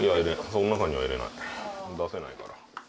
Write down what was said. その中には入れない出せないから。